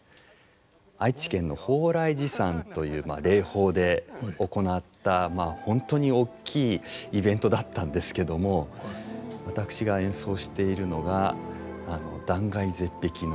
愛知県の鳳来寺山という霊峰で行った本当に大きいイベントだったんですけども私が演奏しているのが断崖絶壁の。